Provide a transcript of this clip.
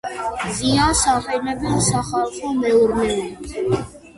ზიანს აყენებენ სახალხო მეურნეობას.